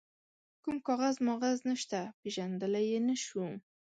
کوم کاغذ ماغذ نشته، پيژندلای يې نه شو.